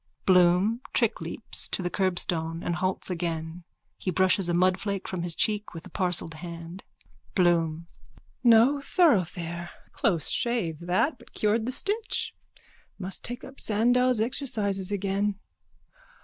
(Bloom trickleaps to the curbstone and halts again. He brushes a mudflake from his cheek with a parcelled hand.) BLOOM: No thoroughfare. Close shave that but cured the stitch. Must take up Sandow's exercises again.